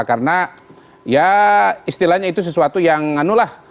karena ya istilahnya itu sesuatu yang anu lah